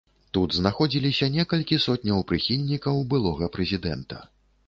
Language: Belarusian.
Тут знаходзіліся некалькі сотняў прыхільнікаў былога прэзідэнта.